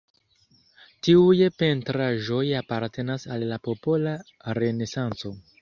Tiuj pentraĵoj apartenas al la popola renesanco.